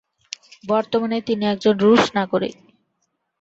বর্তমানে তিনি একজন রুশ নাগরিক।